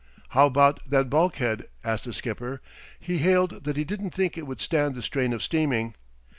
"How about that bulkhead?" asked the skipper. "He hailed that he didn't think it would stand the strain of steaming."